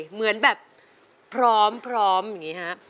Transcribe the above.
เหมือนแบบพร้อมอย่างนี้ฮะ